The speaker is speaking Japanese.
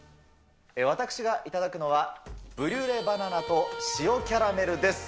私が頂くのは、ブリュレバナナと塩キャラメルです。